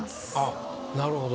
なるほど。